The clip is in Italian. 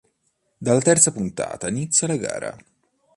Dalla terza puntata inizia la gara.